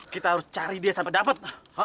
kita harus cari dia sampai dapat